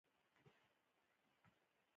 د جلغوزیو صادرات میلیونونه ډالر عاید لري